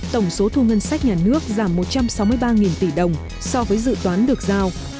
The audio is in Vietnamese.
tổng số thu ngân sách nhà nước giảm một trăm sáu mươi ba tỷ đồng so với dự toán được giao